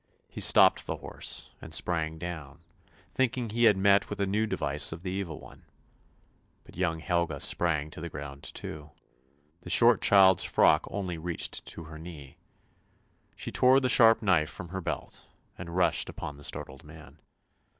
He stopped the horse and sprang down, thinking he had met with a new device of the evil one. But young Helga sprang to the ground too. The short child's frock only reached to her knee. She tore the sharp knife from her belt and rushed upon the startled man.